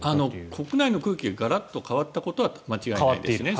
国内の空気がガラッと変わったことは間違いないですね。